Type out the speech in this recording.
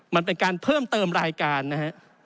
มันเป็นการเพิ่มเติมรายการนะฮะ